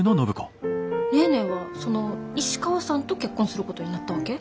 ネーネーはその石川さんと結婚することになったわけ？